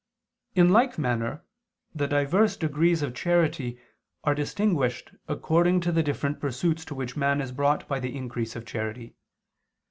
In like manner the divers degrees of charity are distinguished according to the different pursuits to which man is brought by the increase of charity.